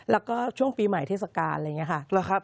แล้วก็ช่วงปีใหม่เทศกาลอะไรอย่างนี้ค่ะ